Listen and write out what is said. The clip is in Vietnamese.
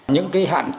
những cái hạn chế của